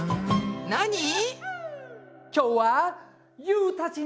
なに？